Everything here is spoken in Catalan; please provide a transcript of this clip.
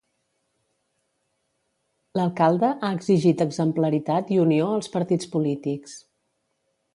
L'alcalde ha exigit exemplaritat i unió als partits polítics.